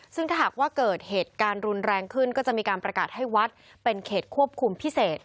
ซึ่งถ้าหากว่าเกิดเหตุการณ์รุนแรงขึ้นก็จะมีการประกาศให้วัดเป็นเขตควบคุมพิเศษ